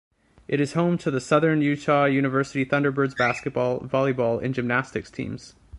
It is home to the Southern Utah University Thunderbirds basketball, volleyball and gymnastics teams.